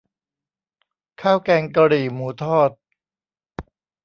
ข้าวแกงกะหรี่หมูทอด